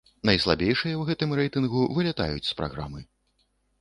Найслабейшыя ў гэтым рэйтынгу вылятаюць з праграмы.